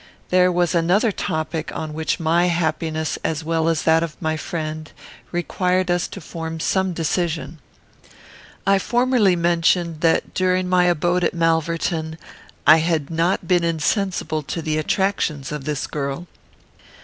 There was another topic on which my happiness, as well as that of my friend, required us to form some decision. I formerly mentioned, that, during my abode at Malverton, I had not been insensible to the attractions of this girl.